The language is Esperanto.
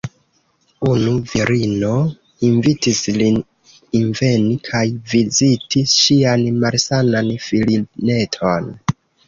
Unu virino invitis lin enveni kaj viziti ŝian malsanan filineton.